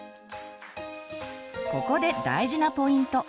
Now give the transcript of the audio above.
ここで大事なポイント。